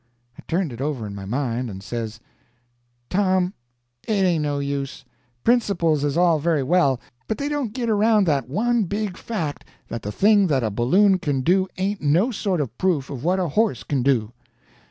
I turned it over in my mind, and says: "Tom, it ain't no use. Principles is all very well, but they don't git around that one big fact, that the thing that a balloon can do ain't no sort of proof of what a horse can do."